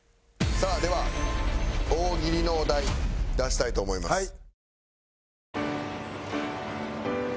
さあでは大喜利のお題出したいと思います。